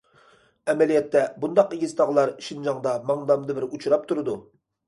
ئەمەلىيەتتە، بۇنداق ئېگىز تاغلار شىنجاڭدا ماڭدامدا بىر ئۇچراپ تۇرىدۇ.